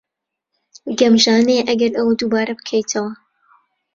گەمژانەیە ئەگەر ئەوە دووبارە بکەیتەوە.